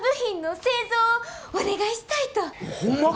ホンマか！